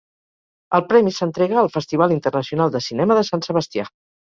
El premi s'entrega al Festival Internacional de Cinema de Sant Sebastià.